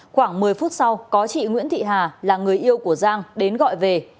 khoảng một mươi phút sau có chị nguyễn thị hà là người yêu của giang đến gọi về